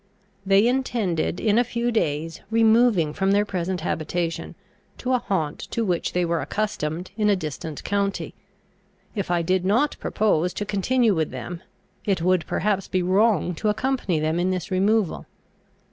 They intended in a few days removing from their present habitation, to a haunt to which they were accustomed, in a distant county. If I did not propose to continue with them, it would perhaps be wrong to accompany them in this removal.